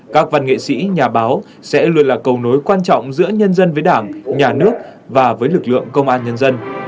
các văn nghệ sĩ nhà báo sẽ luôn là cầu nối quan trọng giữa nhân dân với đảng nhà nước và với lực lượng công an nhân dân